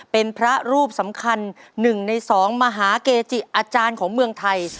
เป็นพระรูปสำคัญ๑ใน๒มหาเกจิอาจารย์ของเมืองไทย